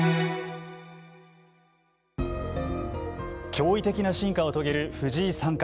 驚異的な進化を遂げる藤井三冠。